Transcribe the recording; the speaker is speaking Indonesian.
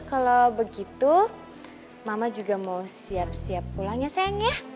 kalau begitu mama juga mau siap siap pulang ya sayang ya